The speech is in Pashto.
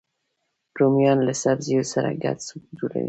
رومیان له سبزیو سره ګډ سوپ جوړوي